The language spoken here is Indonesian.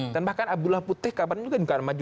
dan bahkan abdullah putih juga akan maju